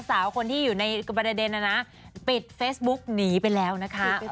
สาวคนที่อยู่ในประเด็นนะนะปิดเฟซบุ๊กหนีไปแล้วนะคะ